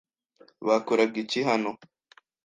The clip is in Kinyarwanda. Bakoraga iki hano?